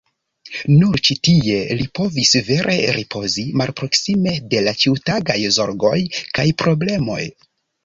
Nur ĉi tie li povis vere ripozi, malproksime de la ĉiutagaj zorgoj kaj problemoj.